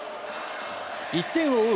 １点を追う